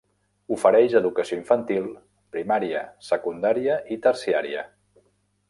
Ofereix educació infantil, primària, secundària i terciària.